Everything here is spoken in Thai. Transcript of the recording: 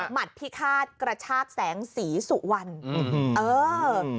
หมัดพิฆาตกระชาติแสงสีสุวรรรค์